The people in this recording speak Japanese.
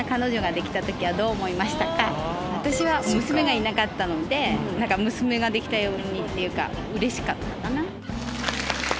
私は娘がいなかったので娘ができたっていうかうれしかったかな。